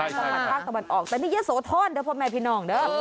ภาคตะวันออกแต่นี่เยอะโสทอนเดิมพอมาพี่น้องเนอะ